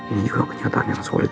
ini juga kenyataan yang solid